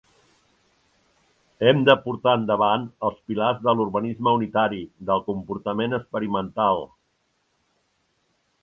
Hem de portar endavant els pilars de l'urbanisme unitari, del comportament experimental.